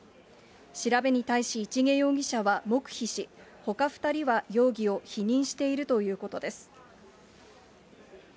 調べに対し市毛容疑者は黙秘し、ほか２人は容疑を否認しているということです。